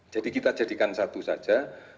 jadi kita jadikan satu saja